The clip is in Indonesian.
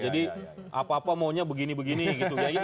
jadi apa apa maunya begini begini gitu